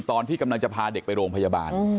ตอนที่กำลังจะพาเด็กไปโรงพยาบาล